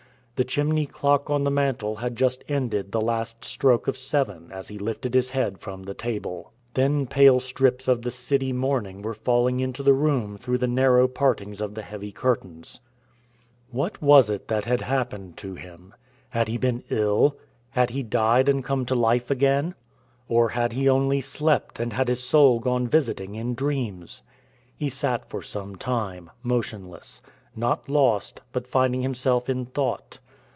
The chimney clock on the mantel had just ended the last stroke of seven as he lifted his head from the table. Thin, pale strips of the city morning were falling into the room through the narrow partings of the heavy curtains. What was it that had happened to him? Had he been ill? Had he died and come to life again? Or had he only slept, and had his soul gone visiting in dreams? He sat for some time, motionless, not lost, but finding himself in thought.